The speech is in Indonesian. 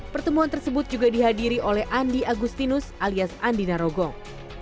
pertemuan tersebut juga dihadiri oleh andi agustinus alias andi narogong